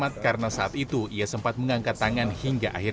alhamdulillah di kanan bukan di lehir